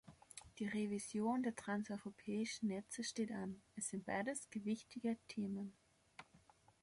Die Revision der transeuropäischen Netze steht an, es sind beides gewichtige Themen.